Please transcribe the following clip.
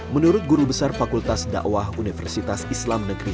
menurut guru besar fakultas da wah universitas islam negeri